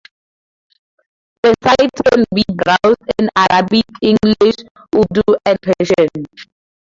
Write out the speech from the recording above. The site can be browsed in Arabic, English, Urdu, and Persian.